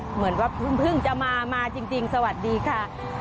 เหมือนว่าเพิ่งจะมามาจริงสวัสดีค่ะ